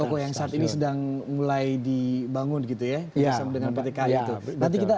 oh yang saat ini sedang mulai dibangun gitu ya bersama dengan ptk itu